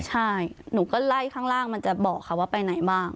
ใช่หนูก็ไล่ข้างล่างมันจะบอกค่ะว่าไปไหนบ้าง